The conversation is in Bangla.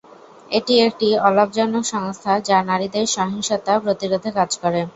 এটি একটি অলাভজনক সংস্থা যা নারীদের সহিংসতা প্রতিরোধে কাজ করে।